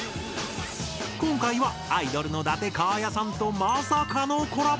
今回はアイドルの伊達花彩さんとまさかのコラボ。